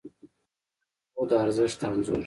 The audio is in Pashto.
د پښتو د ارزښت انځور